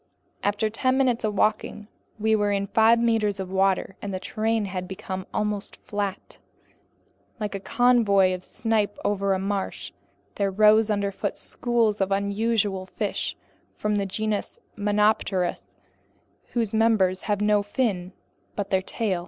After ten minutes of walking, we were in five meters of water, and the terrain had become almost flat. Like a covey of snipe over a marsh, there rose underfoot schools of unusual fish from the genus Monopterus, whose members have no fin but their tail.